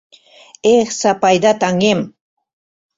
Эх, Сапайда таҥем!